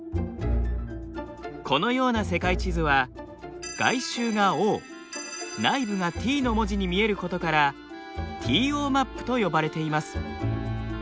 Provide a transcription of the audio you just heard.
このような世界地図は外周がＯ内部がＴの文字に見えることからＴＯマップと呼ばれています。